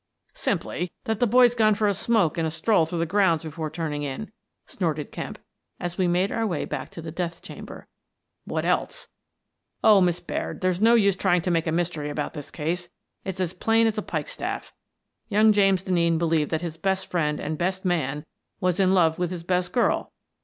" Simply that the boy's gone for a smoke and a stroll through the grounds before turning in," snorted Kemp, as we made our way back to the death chamber. "What else? O, Miss Baird, there's no use trying to make a mystery about this case. It's as plain as a pikestaff. Young James Denneen believed that his best friend and best man was in love with his best girl.